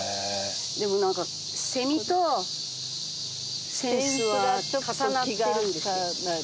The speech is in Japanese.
でもなんか蝉と扇子は重なってるんですよ。